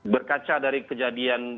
berkaca dari kejadian